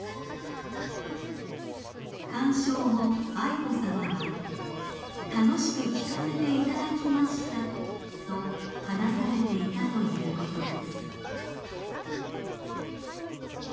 ［鑑賞後愛子さまは「楽しく聞かせていただきました」と話されていたということです］